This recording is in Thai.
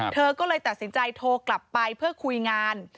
เธอก็เลยตัดสินใจโทรกลับไปเพื่อคุยงาน